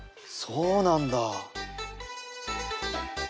そうなんだ。